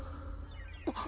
あっ